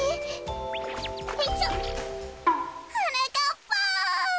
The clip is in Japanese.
はなかっぱん。